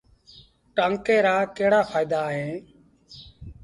ٽآنڪي رآڪهڙآ ڦآئيدآ اهيݩ۔